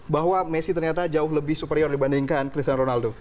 bahwa messi ternyata jauh lebih superior dibandingkan cristiano ronaldo